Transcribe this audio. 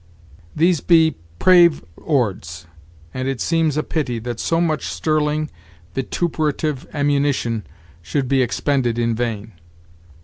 These be 'prave 'ords'; and it seems a pity that so much sterling vituperative ammunition should be expended in vain.